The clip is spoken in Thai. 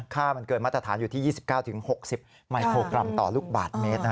ค่ามันเกินมาตรฐานอยู่ที่๒๙๖๐มิโครกรัมต่อลูกบาทเมตร